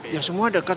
ya semua dekat